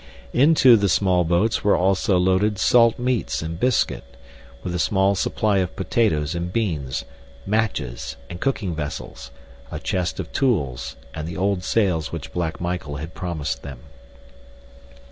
Into the small boats were also loaded salt meats and biscuit, with a small supply of potatoes and beans, matches, and cooking vessels, a chest of tools, and the old sails which Black Michael had promised them.